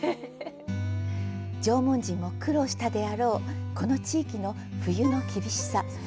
縄文人も苦労したであろうこの地域の冬の厳しさ。